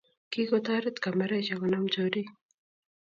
Kikotorit kamersaishek konam chorik